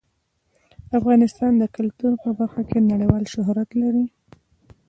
افغانستان د کلتور په برخه کې نړیوال شهرت لري.